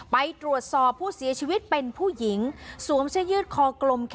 ไปตรวจสอบผู้เสียชีวิตเป็นผู้หญิงสวมเสื้อยืดคอกลม